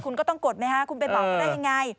คุณก็ต้องกดไหมคะคุณไปบอกเขาได้ยังไง